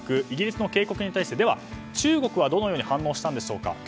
イギリスの警告に対してでは、中国はどのように反応したんでしょうか。